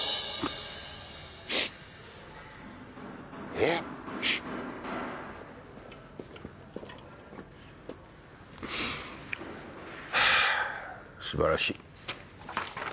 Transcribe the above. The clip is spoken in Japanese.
えっ？ハァ素晴らしい。